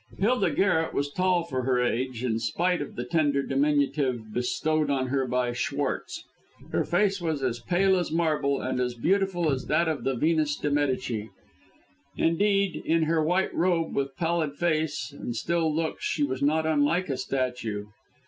Hilda Garret was tall for her age, in spite of the tender diminutive bestowed on her by Schwartz. Her face was as pale as marble, and as beautiful as that of the Venus de Medici. Indeed, in her white robe, with pallid face and still looks, she was not unlike a statue.